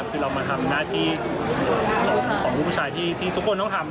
คือเรามาทำหน้าที่ของลูกผู้ชายที่ทุกคนต้องทำ